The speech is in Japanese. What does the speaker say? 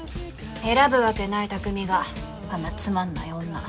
選ぶわけない匠があんなつまんない女。